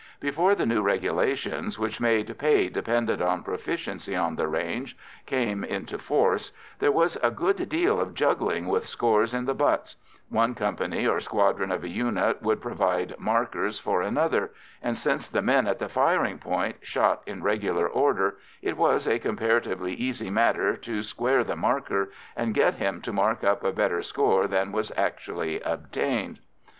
Before the new regulations, which made pay dependent on proficiency on the range, came into force, there was a good deal of juggling with scores in the butts; one company or squadron of a unit would provide "markers" for another, and since the men at the firing point shot in regular order, it was a comparatively easy matter to "square the marker" and get him to mark up a better score than was actually obtained.